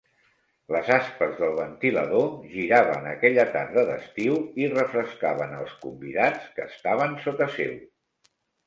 Les aspes del ventilador giraven aquella tarda d'estiu i refrescaven els convidats que estaven sota seu.